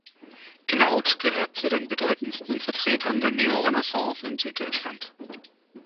Gnauth gehört zu den bedeutendsten Vertretern der Neorenaissance in Süddeutschland.